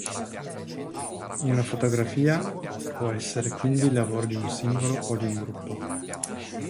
Una fotografia può essere quindi il lavoro di un singolo o di un gruppo.